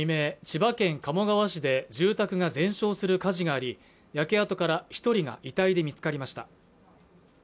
千葉県鴨川市で住宅が全焼する火事があり焼け跡から一人が遺体で見つかりました